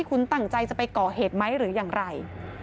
คุณตั้งใจจะไปก่อเหตุไหมหรืออย่างไร